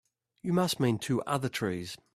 You must mean two other trees.